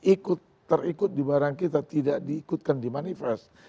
ikut terikut di barang kita tidak diikutkan di manifest